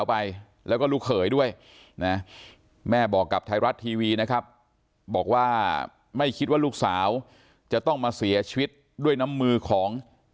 ไปแล้วก็ลูกเขยด้วยนะแม่บอกกับไทยรัฐทีวีนะครับบอกว่าไม่คิดว่าลูกสาวจะต้องมาเสียชีวิตด้วยน้ำมือของ